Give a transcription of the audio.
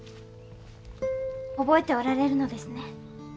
覚えておられるのですね。